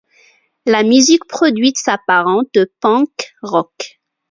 La musique produite s'apparente au punk rock.